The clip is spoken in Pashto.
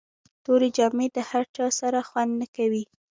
توري جامي د له هر چا سره خوند نه کوي.